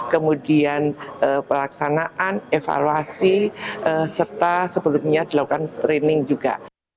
kemudian pelaksanaan evaluasi serta sebelumnya dilakukan training juga